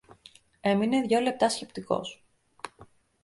Έμεινε δυο λεπτά σκεπτικός.